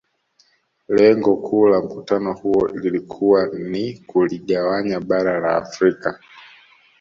Lengo kuu la Mkutano huo lilikuwa ni kuligawanya bara la Afrika